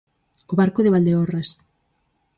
O Barco de Valdeorras.